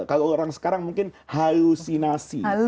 kalau orang sekarang mungkin halusinasi